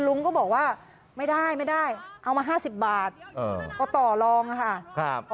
ลุงก็บอกว่าไม่ได้ไม่ได้เอามา๕๐บาทพอต่อลองค่ะ